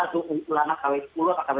atau ulama kw sepuluh atau kw seratus